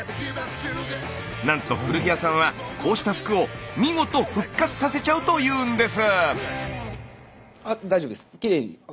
なんと古着屋さんはこうした服を見事復活させちゃうというんです。